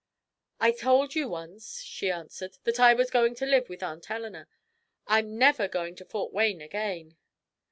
"I told you once," she answered, "that I was going to live with Aunt Eleanor. I'm never going to Fort Wayne again!"